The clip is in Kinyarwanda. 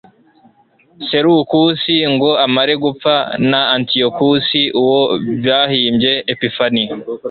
selewukusi ngo amare gupfa na antiyokusi, uwo bahimbye epifani